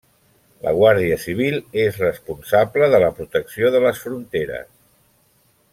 La Guàrdia Civil és responsable de la protecció de les fronteres.